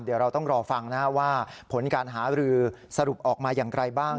เดี๋ยวเราต้องรอฟังนะครับว่าผลการหารือสรุปออกมาอย่างไรบ้าง